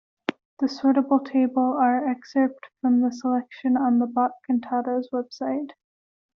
The sortable table are excerpt from the selection on the Bach-Cantatas website.